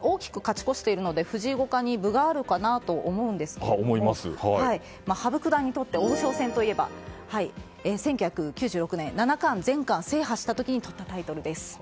大きく勝ち越しているので藤井五冠に分があるかなと思いますが羽生九段にとって王将戦といえば１９９６年七冠全冠を制覇した時にとったタイトルです。